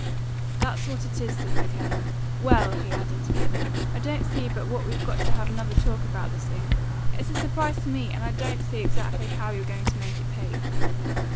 "That's what it is," said the Colonel. "Well!" he added, "I don't see but what we've got to have another talk about this thing. It's a surprise to me, and I don't see exactly how you're going to make it pay."